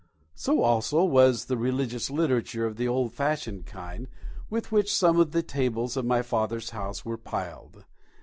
So, also, it was with the religious literature of the old fashioned kind, with which some of the tables of my father's house were piled.